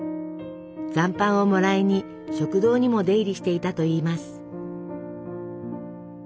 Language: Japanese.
残飯をもらいに食堂にも出入りしていたといいます。